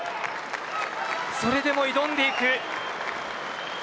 それでも挑んでいく。